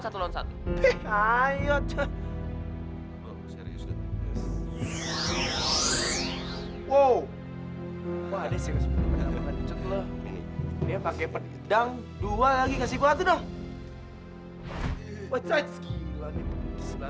satu satu hai ojo wow wadih pakai pedang dua lagi kasih kuat udah hai wajah gila